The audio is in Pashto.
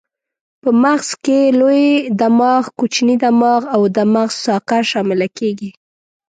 په مغز کې لوی دماغ، کوچنی دماغ او د مغز ساقه شامله کېږي.